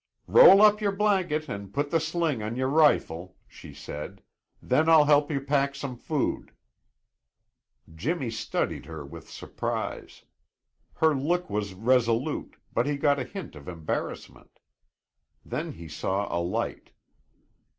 "Roll up your blanket and put the sling on your rifle," she said. "Then I'll help you pack some food." Jimmy studied her with surprise. Her look was resolute, but he got a hint of embarrassment. Then he saw a light.